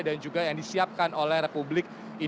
dan juga yang disiapkan oleh republik